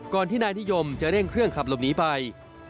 ที่นายนิยมจะเร่งเครื่องขับหลบหนีไป